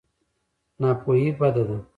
ناپوهي بده ده.